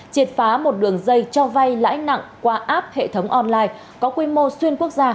triệt phá một đường dây cho vay lãi nặng qua app hệ thống online có quy mô xuyên quốc gia